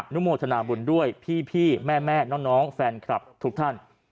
นุโมทนาบุญด้วยพี่แม่น้องแฟนคลับทุกท่าน